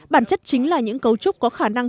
bản chất chính là những cấu trúc có khả năng